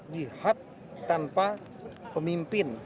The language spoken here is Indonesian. jihad tanpa pemimpin